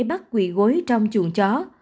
bắt quỳ gối trong chuồng chó